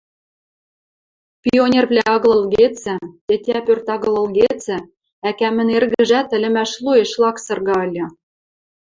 Пионервлӓ агыл ылгецӹ, тетя пӧрт агыл ылгецӹ, ӓкӓмӹн эргӹжӓт ӹлӹмӓш лоэш лаксырга ыльы.